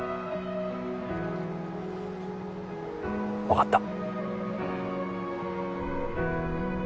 わかった。